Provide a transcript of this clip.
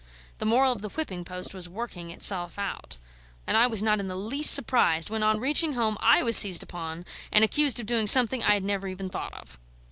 The moral of the whipping post was working itself out; and I was not in the least surprised when, on reaching home, I was seized upon and accused of doing something I had never even thought of.